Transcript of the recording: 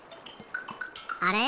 あれ？